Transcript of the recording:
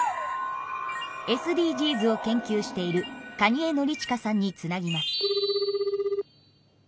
ＳＤＧｓを研究している蟹江憲史さんにつなぎます。